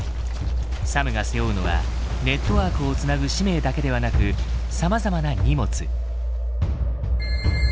サムが背負うのはネットワークを繋ぐ使命だけではなくさまざまな荷物。